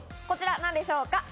こちらなんでしょうか？